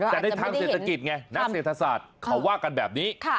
แต่ในทางเศรษฐกิจไงนักเศรษฐศาสตร์เขาว่ากันแบบนี้